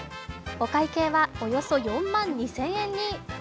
お会計は、およそ４万２０００人に。